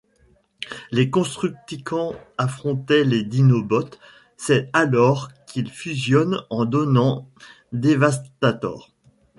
Les Constructicans affrontaient les Dinobots, c'est alors qu'ils fusionnent en donnant Devastator.